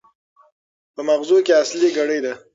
په ماغزو کې اصلي ګړۍ ده.